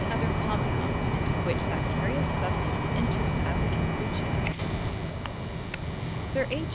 275 Other compounds into which that carious substance enters as a constituent. Sir H.